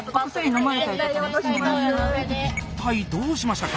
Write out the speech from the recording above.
一体どうしましたか？